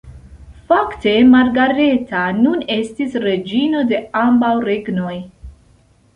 Fakte Margareta nun estis reĝino de ambaŭ regnoj.